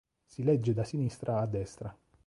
Si legge da sinistra a destra.